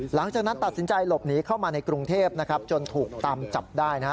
หลังจากนั้นตัดสินใจหลบหนีเข้ามาในกรุงเทพนะครับจนถูกตามจับได้นะฮะ